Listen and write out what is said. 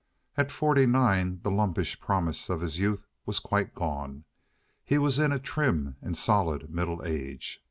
At forty nine the lumpish promise of his youth was quite gone. He was in a trim and solid middle age.